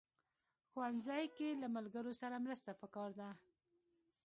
ښوونځی کې له ملګرو سره مرسته پکار ده